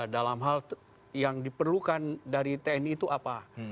dalam hal yang diperlukan dari tni itu apa